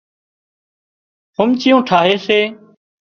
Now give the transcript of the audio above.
ڦومچيون ٺاهي سي